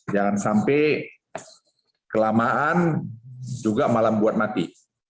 jangan sampai kelamaan juga malam buat mati